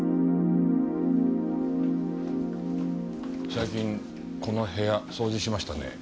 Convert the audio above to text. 最近この部屋掃除しましたね？